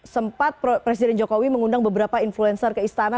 sempat presiden jokowi mengundang beberapa influencer ke istana